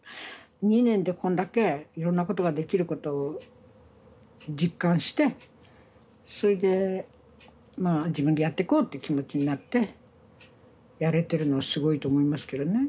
２年でこんだけいろんなことができることを実感してそれでまあ自分でやっていこうっていう気持ちになってやれてるのはすごいと思いますけどね。